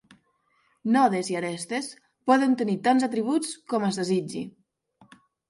Nodes i arestes poden tenir tants atributs com es desitgi.